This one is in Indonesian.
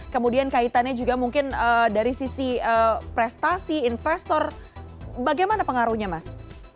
kemudian kaitannya juga mungkin dari sisi prestasi investor bagaimana pengaruhnya mas